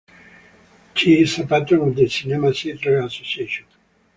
She is a patron of the Cinema Theatre Association.